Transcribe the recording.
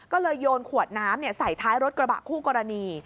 ก็เลยโยนขวดน้ำใส่ท้ายรถกระบะคู่กรณี